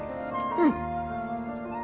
うん。